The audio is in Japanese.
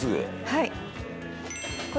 はい。